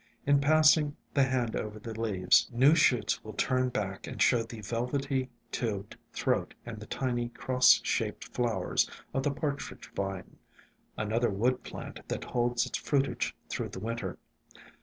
In passing the hand over the leaves, new shoots will turn back and show the velvety tubed throat and the tiny, cross shaped flowers of the Partridge Vine, another wood plant that holds its fruitage through the winter.